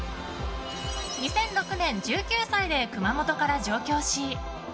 ２００６年１９歳で熊本から上京し。